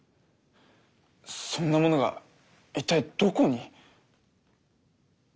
そんなものが一体どこに？